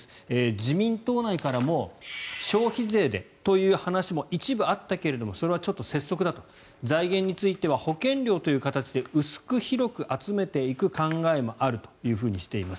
自民党内からも消費税でという話も一部あったけれどもそれはちょっと拙速だと財源については保険料という形で薄く広く集めていく考えもあるとしています。